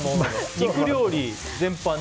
肉料理全般に。